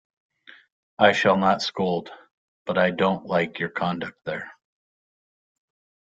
I shall not scold, but I don’t like your conduct there.